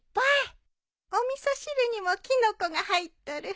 お味噌汁にもキノコが入っとる。